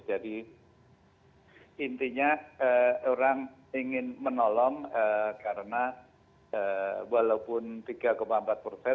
jadi intinya orang ingin menolong karena walaupun tiga empat persen